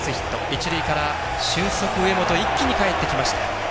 一塁から俊足、上本一気にかえってきました。